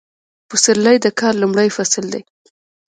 پسرلی د کال لومړی فصل دی